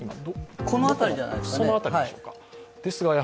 この辺りじゃないですかね。